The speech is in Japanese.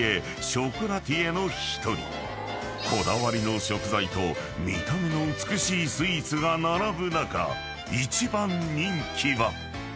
［こだわりの食材と見た目の美しいスイーツが並ぶ中一番人気は］